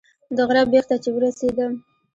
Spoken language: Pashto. د غره بیخ ته چې ورسېدم.